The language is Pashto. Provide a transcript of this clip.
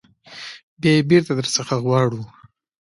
بیا یې بیرته در څخه غواړو.